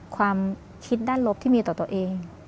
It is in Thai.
ความคิดด้านลบที่มีต่อตัวเอง